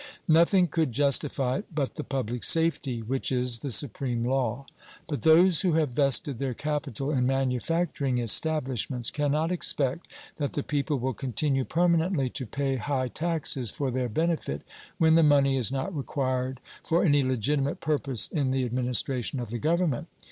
Nothing could justify it but the public safety, which is the supreme law. But those who have vested their capital in manufacturing establishments can not expect that the people will continue permanently to pay high taxes for their benefit, when the money is not required for any legitimate purpose in the administration of the Government.